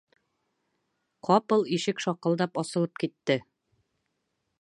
Ҡапыл ишек шаҡылдап асылып китте.